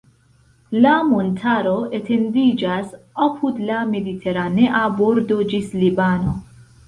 La montaro etendiĝas apud la Mediteranea bordo ĝis Libano.